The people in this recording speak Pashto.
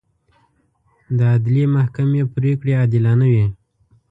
د عدلي محکمې پرېکړې عادلانه وي.